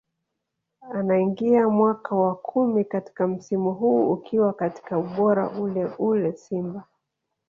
Anaingia mwaka wa kumi katika msimu huu akiwa katika ubora ule ule Simba